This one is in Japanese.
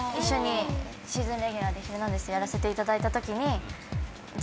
シーズンレギュラーで『ヒルナンデス！』やらせて頂いた時に。